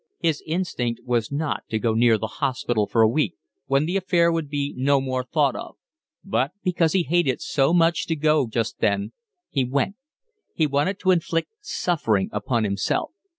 His instinct was not to go near the hospital for a week, when the affair would be no more thought of, but, because he hated so much to go just then, he went: he wanted to inflict suffering upon himself.